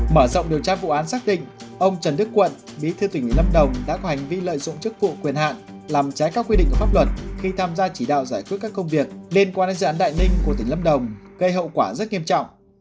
mở rộng điều tra vụ án xác định ông trần đức quận bí thư tỉnh ủy lâm đồng đã có hành vi lợi dụng chức vụ quyền hạn làm trái các quy định của pháp luật khi tham gia chỉ đạo giải quyết các công việc liên quan đến dự án đại ninh của tỉnh lâm đồng gây hậu quả rất nghiêm trọng